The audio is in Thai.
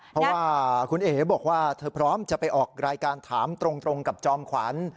เพราะว่าคุณเอ๋บอกว่าเธอพร้อมจะไปออกรายการถามตรงกับจอมขวัญ